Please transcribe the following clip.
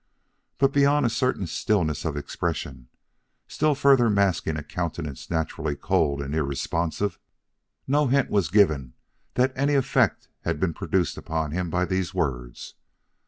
But beyond a certain stillness of expression, still further masking a countenance naturally cold and irresponsive, no hint was given that any effect had been produced upon him by these words.